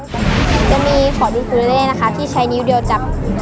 จะมีขอดลิฟต์ปุริเณรนะคะที่ใช้นิ๊วเดียวจาก